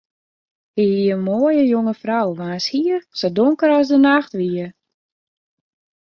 Hy hie in moaie, jonge frou waans hier sa donker as de nacht wie.